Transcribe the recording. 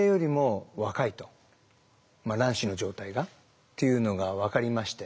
卵子の状態がっていうのが分かりまして。